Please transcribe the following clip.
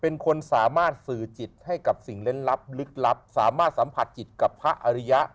เป็นคนสามารถสื่อจิตให้กับสิ่งเล่นลับลึกลับสามารถสัมผัสจิตกับพระอริยะ